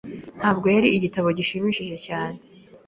Ntabwo yari igitabo gishimishije cyane.